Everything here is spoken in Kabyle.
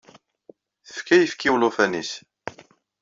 Tefka ayefki i ulufan-is.